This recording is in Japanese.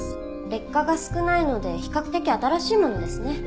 劣化が少ないので比較的新しいものですね。